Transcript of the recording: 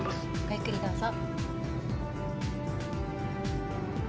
ごゆっくりどうぞ。